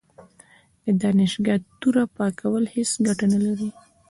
د دانشګاه توره پاکول هیڅ ګټه نه لري.